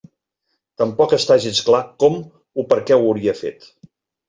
Tampoc està gens clar com o perquè ho hauria fet.